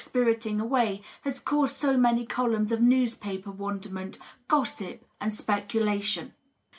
spiriting away has caused so many columns of newspaper wonderment, gossip and speculation.